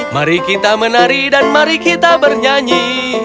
mari kita menari dan mari kita bernyanyi